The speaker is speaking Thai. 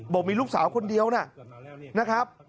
บอกมีลูกสาวคนเดียวนะครับ